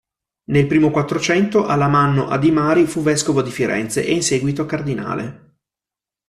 Nel primo Quattrocento Alamanno Adimari fu vescovo di Firenze e in seguito cardinale.